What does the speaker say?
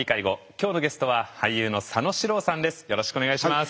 今日のゲストは俳優の佐野史郎さんです。